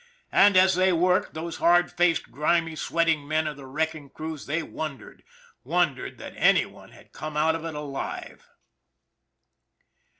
And as they worked, those hard faced, grimy, sweating men of the wrecking crews, they wondered wondered that any one had come out of it alive.